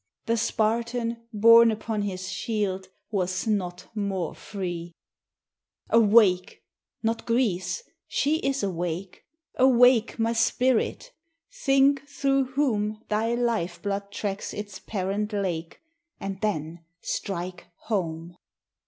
The Spartan, borne upon his shield, Was not more free. Awake! (not Greece she is awake!) 25 Awake, my spirit! Think through whom Thy life blood tracks its parent lake, And then strike home!